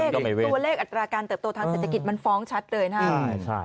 ตัวเลขอัตราการเติบโตทางเศรษฐกิจมันฟ้องชัดเลยนะครับ